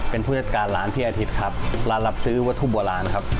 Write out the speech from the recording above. เป็นผู้จัดการร้านพี่อาทิตย์ครับร้านรับซื้อวัตถุโบราณนะครับ